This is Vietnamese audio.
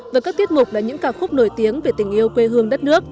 với các tiết mục là những ca khúc nổi tiếng về tình yêu quê hương đất nước